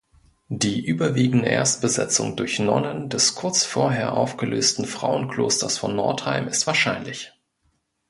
Die überwiegende Erstbesetzung durch Nonnen des kurz vorher aufgelösten Frauen-Klosters von Northeim ist wahrscheinlich.